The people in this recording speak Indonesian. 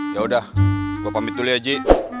ya udah gua pamit dulu ya ji